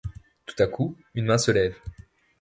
Tout à coup, une main se lève.